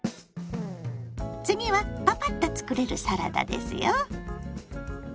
次はパパッと作れるサラダですよ。